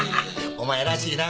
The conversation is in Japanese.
お前らしいな。